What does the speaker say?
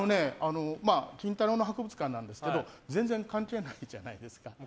金太郎の博物館なんですけど全然関係ないじゃないですか。